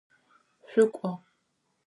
Шъукӏо!